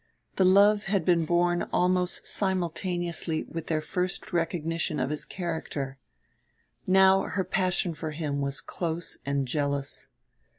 The love had been born almost simultaneously with her first recognition of his character. Now her passion for him was close and jealous.